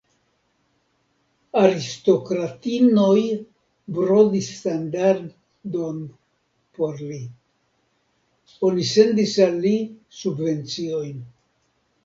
Aristokratinoj brodis standardon por li; oni sendis al li subvenciojn.